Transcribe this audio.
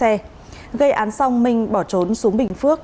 đỗ văn minh đã bắt cháy xe gây án xong minh bỏ trốn xuống bình phước